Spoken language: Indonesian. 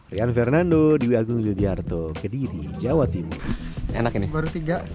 rian fernando dewi agung yudhoyarto kediri jawa timur